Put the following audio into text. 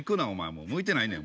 もう向いてないねん。